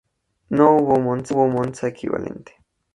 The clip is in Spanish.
No hubo un Monza equivalente.